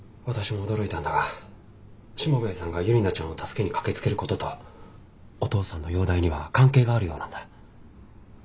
私も驚いたんだがしもべえさんがユリナちゃんを助けに駆けつけることとお父さんの容体には関係があるようなんだ。